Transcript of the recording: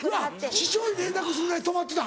師匠に連絡するぐらい止まってた。